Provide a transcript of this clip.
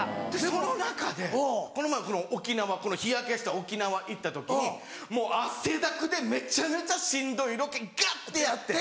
その中でこの前沖縄この日焼けした沖縄行った時にもう汗だくでめちゃめちゃしんどいロケガッてやって。